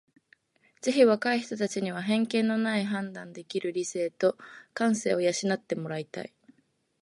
ぜひ若い人たちには偏見のない判断のできる理性と感性を養って貰いたい。